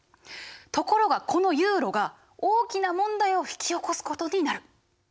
ところがこのユーロが大きな問題を引き起こすことになる。